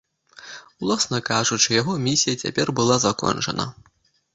Уласна кажучы, яго місія цяпер была закончана.